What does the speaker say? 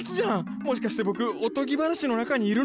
もしかして僕おとぎ話の中にいるの？